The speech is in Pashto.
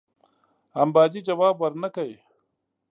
امباجي جواب ورنه کړ.